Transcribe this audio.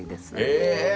「へえ！」